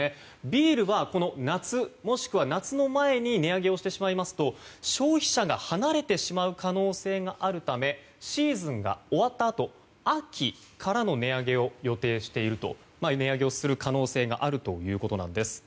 ビールは夏、もしくは夏の前に値上げをしてしまいますと消費者が離れてしまう可能性があるためシーズンが終わったあと秋からの値上げを予定していると値上げをする可能性があるということです。